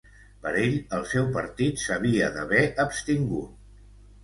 Per ell, el seu partit s’havia d’haver abstingut.